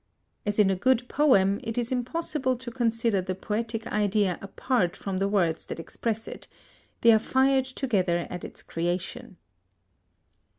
As in a good poem, it is impossible to consider the poetic idea apart from the words that express it: they are fired together at its creation.